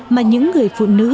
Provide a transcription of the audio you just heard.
mà những người phụ nữ